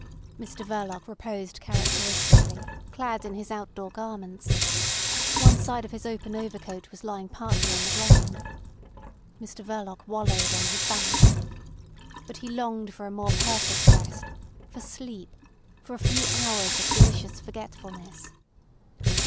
Mr Verloc reposed characteristically, clad in his outdoor garments. One side of his open overcoat was lying partly on the ground. Mr Verloc wallowed on his back. But he longed for a more perfect rest—for sleep—for a few hours of delicious forgetfulness.